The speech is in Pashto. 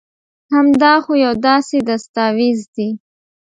هم دا خو يو داسي دستاويز دي